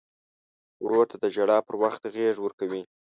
ورور ته د ژړا پر وخت غېږ ورکوي.